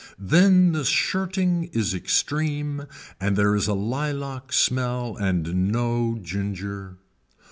Then the shirting is extreme and there is a lilac smell and no ginger.